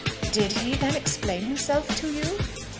"Did he, then, explain himself to you?"